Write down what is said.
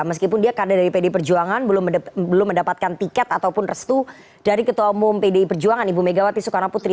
meskipun dia kader dari pd perjuangan belum mendapatkan tiket ataupun restu dari ketua umum pdi perjuangan ibu megawati soekarno putri